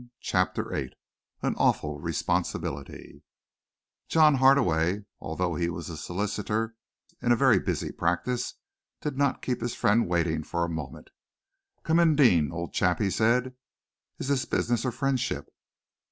CHAPTER VIII AN AWFUL RESPONSIBILITY John Hardaway, although he was a solicitor in a very busy practice, did not keep his friend waiting for a moment. "Come in, Deane, old chap," he said. "Is this business or friendship?"